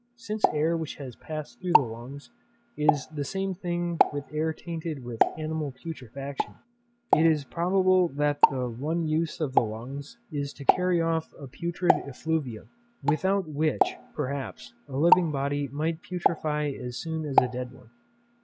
Since air which has passed through the lungs is the same thing with air tainted with animal putrefaction, it is probable that one use of the lungs is to carry off a putrid effluvium, without which, perhaps, a living body might putrefy as soon as a dead one.